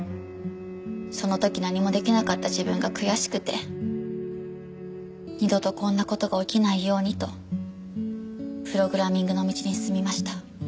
その時何もできなかった自分が悔しくて二度とこんな事が起きないようにとプログラミングの道に進みました。